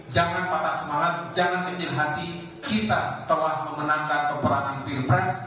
jangan patah semangat jangan kecil hati kita telah memenangkan peperangan pilpres